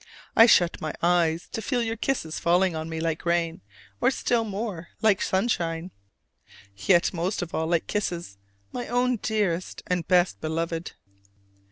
I shut my eyes to feel your kisses falling on me like rain, or still more like sunshine, yet most of all like kisses, my own dearest and best beloved!